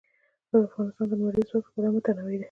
افغانستان د لمریز ځواک له پلوه متنوع دی.